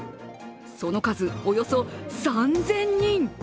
その数およそ３０００人。